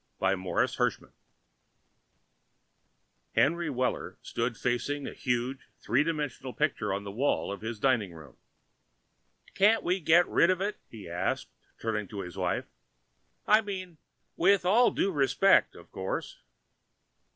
By Morris Hershman Henry Weller stood facing a huge three dimensional picture on the wall of his dining room. "Can't we get rid of it?" he asked, turning to his wife. "I mean, with all due respect, of course."